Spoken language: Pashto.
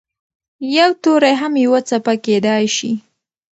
یو توری هم یوه څپه کېدای شي.